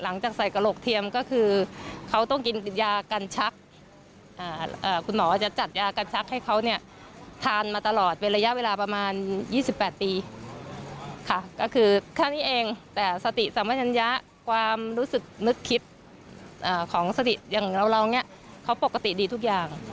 นึกคิดของสติอย่างเราเขาปกติดีทุกอย่าง